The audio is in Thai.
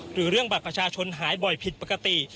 หรือเรื่องบัตรประชาชนหายบ่อยผิดปกติ